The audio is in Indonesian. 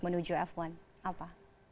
menuju f satu apa